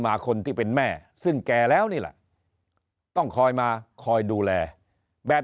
มาคนที่เป็นแม่ซึ่งแก่แล้วนี่แหละต้องคอยมาคอยดูแลแบบ